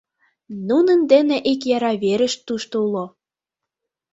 Нунын дене ик яра верышт тушто уло.